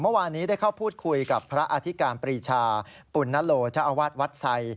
เมื่อวานี้ได้เข้าพูดคุยกับพระอาทิการปรีชาปุณณโลจอวัทย์ไซย์